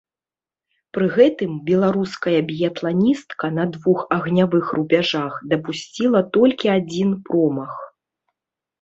Пры гэтым беларуская біятланістка на двух агнявых рубяжах дапусціла толькі адзін промах.